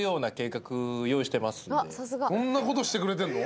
そんなことしてくれてんの？